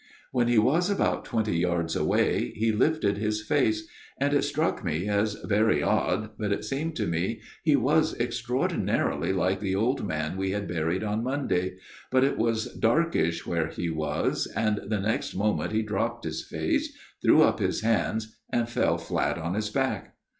" When he was about twenty yards away he lifted his face ; and, it struck me as very odd, but it seemed to me he was extraordinarily like the old man we had buried on Monday ; but it was darkish where he was, and the next moment he dropped his face, threw up his hands and fell flat on his back.